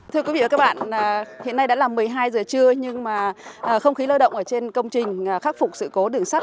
thưa quý vị và các bạn hiện nay đã là một mươi hai giờ trưa nhưng mà không khí lao động ở trên công trình khắc phục sự cố đường sắt